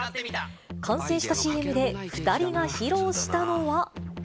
完成したＣＭで２人が披露したのは。